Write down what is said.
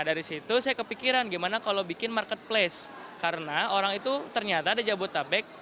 dari situ saya kepikiran gimana kalau bikin marketplace karena orang itu ternyata ada jabodetabek